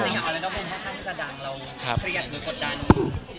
จริงออเลนุกบูมมาข้างสดังเราเครียดมือกดดัน